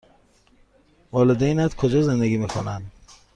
والدینت کجا زندگی می کنند؟